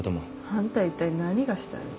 あんたいったい何がしたいの？